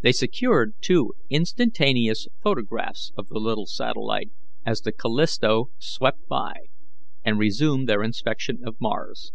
They secured two instantaneous photographs of the little satellite as the Callisto swept by, and resumed their inspection of Mars.